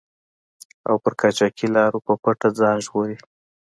او پر قاچاقي لارو په پټه ځان ژغوري.